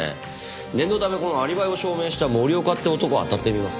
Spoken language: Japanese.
念のためこのアリバイを証明した森岡って男をあたってみます。